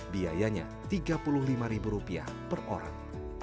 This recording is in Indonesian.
biayanya rp tiga puluh lima per orang